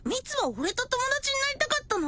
俺と友達になりたかったの？